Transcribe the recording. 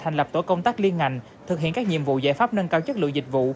thành lập tổ công tác liên ngành thực hiện các nhiệm vụ giải pháp nâng cao chất lượng dịch vụ